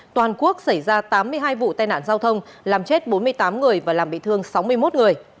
toàn quốc xảy ra tám mươi hai vụ tai nạn giao thông làm chết bốn mươi tám người và làm bị thương sáu mươi một người